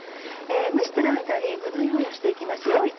蒸してる間に具の用意をして行きますよ。